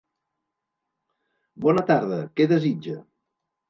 Bona tarda, què desitja?